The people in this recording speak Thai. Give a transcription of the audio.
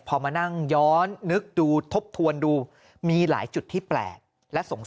พอมานั่งย้อนนึกดูทบทวนดูมีหลายจุดที่แปลกและสงสัย